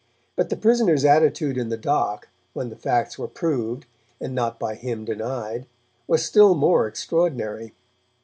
But the prisoner's attitude in the dock, when the facts were proved, and not by him denied, was still more extraordinary.